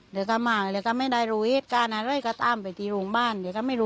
แต่ว่าน่าจะถูกกระบะเขาเสียหลักและก็พุ่งมาชน